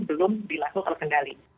belum di langsung terkendali